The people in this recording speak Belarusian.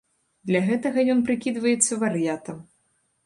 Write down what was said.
Для гэтага ён прыкідваецца вар'ятам.